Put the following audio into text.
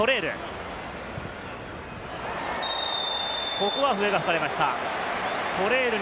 ここは笛が吹かれました。